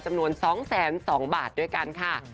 จำนวน๒๒๐๐บาทด้วยกันค่ะ